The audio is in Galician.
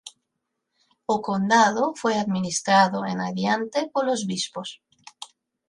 O condado foi administrado en adiante polos bispos.